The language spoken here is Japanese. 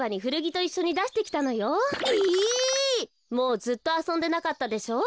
もうずっとあそんでなかったでしょ。